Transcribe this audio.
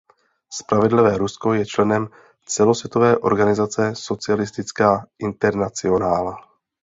Spravedlivé Rusko je členem celosvětové organizace Socialistická internacionála.